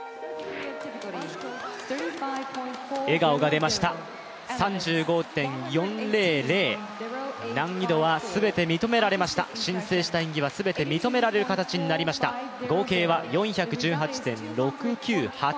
笑顔が出ました３５．４００、難易度は全て認められました、申請した演技は全て認められる形にな・チャー活アニキ！